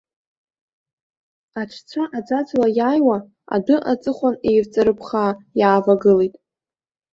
Аҽцәа аӡәаӡәала иааиуа, адәы аҵыхәан еивҵарыԥхаа иааивагылеит.